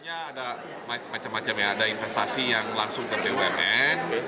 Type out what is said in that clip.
ada macam macam ya ada investasi yang langsung ke bumn